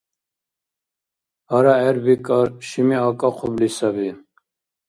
АрагӀер, бикӀар, шими акӀахъубли саби.